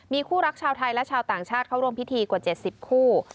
มีคู่รักชาวไทยและชาวต่างชาติเข้าร่วมพิธีกว่า๗๐คู่